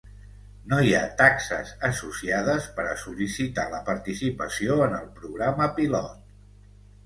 No hi ha taxes associades per a sol·licitar la participació en el programa pilot.